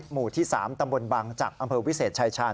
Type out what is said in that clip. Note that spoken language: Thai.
หมู่ที่๓ตำบลบางจักรอำเภอวิเศษชายชาญ